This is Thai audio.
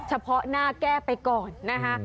เฉพาะหน้าแก้ไปก่อนนะคะ